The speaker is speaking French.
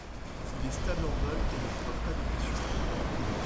Il est stable en vol et ne provoque pas de blessures aux doigts.